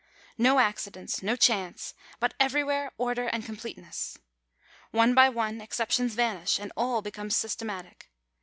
No accidents, no chance; but everywhere order and completeness. One by one excep tions vanish, and all becomes systematic.